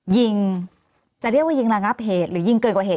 ยิงจะเรียกว่ายิงระงับเหตุหรือยิงเกินกว่าเหตุ